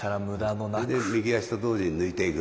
それで右足と同時に抜いていく。